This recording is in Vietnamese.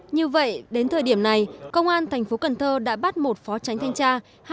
như vậy đến thời điểm này công an tp cần thơ đã bắt một phó tránh thanh tra